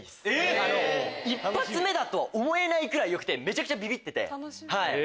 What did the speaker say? １発目だと思えないぐらい良くてめちゃくちゃビビってて。